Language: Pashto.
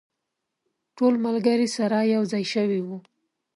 ټول ملګري سره یو ځای شوي وو.